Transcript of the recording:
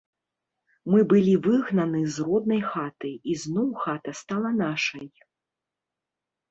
Мы былі выгнаны з роднай хаты, і зноў хата стала нашай.